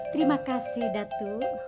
terima kasih datuk